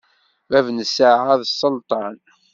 Bab n ṣṣenɛa d sselṭan.